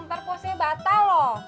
ntar posnya batal loh